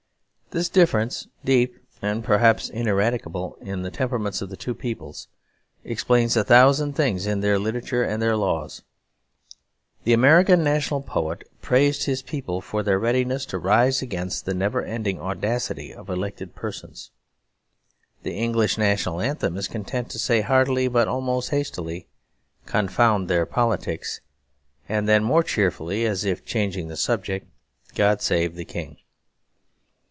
This difference, deep and perhaps ineradicable in the temperaments of the two peoples, explains a thousand things in their literature and their laws. The American national poet praised his people for their readiness 'to rise against the never ending audacity of elected persons.' The English national anthem is content to say heartily, but almost hastily, 'Confound their politics,' and then more cheerfully, as if changing the subject, 'God Save the King.'